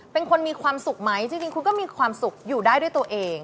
เป็นคนมีความสุขไหมจริงคุณก็มีความสุขอยู่ได้ด้วยตัวเอง